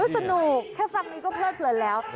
สนุกแค่ฟังนี้ก็เพลิดเพลินแล้ว